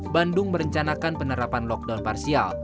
bandung merencanakan penerapan lockdown parsial